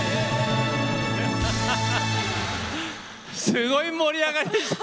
すごい盛り上がりです。